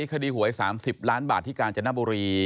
หวย๓๐ล้านบาทที่กาญจนบุรี